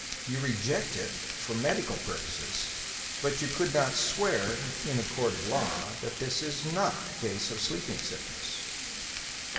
You reject it for medical purposes, but you could not swear, in a court of law, that this is not a case of sleeping sickness."